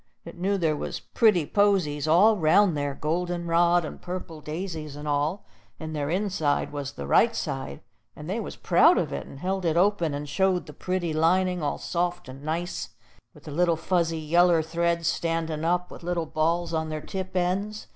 It knew there was pretty posies all 'round there, golden rod and purple daisies and all; and their inside was the right side, and they was proud of it, and held it open, and showed the pretty lining, all soft and nice with the little fuzzy yeller threads standin' up, with little balls on their tip ends.